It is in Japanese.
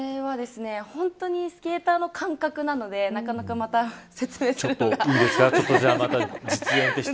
本当にスケーターの感覚なのでなかなか、また説明するのが。